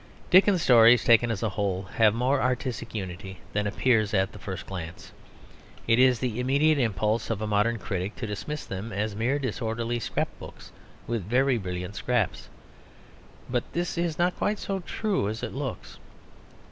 Dickens's stories taken as a whole have more artistic unity than appears at the first glance. It is the immediate impulse of a modern critic to dismiss them as mere disorderly scrap books with very brilliant scraps. But this is not quite so true as it looks.